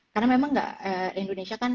karena memang nggak indonesia kan